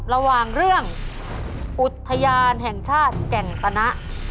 ระหว่างเรื่องอุทยานแห่งชาติแก่งตนะ